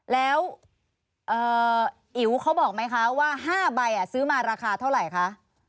แล้วอิ๋วเขาบอกไหมคะว่า๕ใบซื้อมาราคาเท่าไหร่คะ